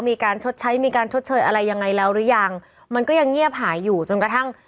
มีการชดใช้มีการชดเชยอะไรยังไงแล้วหรือยังมันก็ยังเงียบหายอยู่จนกระทั่ง